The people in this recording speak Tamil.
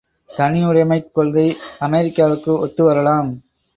தனியுடைமைக் கொள்கை அமெரிக்காவுக்கு ஒத்து வரலாம்.